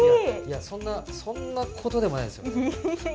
そんなことでもないですよ。